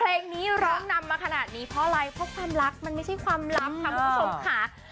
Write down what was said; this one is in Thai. เพลงนี้ร้องนำมาขนาดนี้เพราะอะไรเพราะความรักมันไม่ใช่ความลับค่ะคุณผู้ชมค่ะ